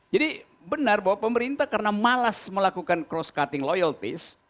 jadi benar bahwa pemerintah karena malas melakukan cross cutting loyalties